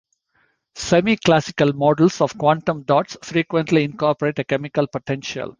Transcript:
Semiclassical models of quantum dots frequently incorporate a chemical potential.